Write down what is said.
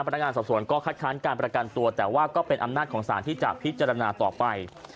พนักงานสอบสวนก็คัดค้านการประกันตัวแต่ว่าก็เป็นอำนาจของสารที่จะพิจารณาต่อไป